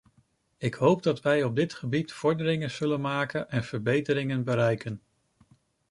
Ik hoop dat wij op dit gebied vorderingen zullen maken en verbeteringen bereiken.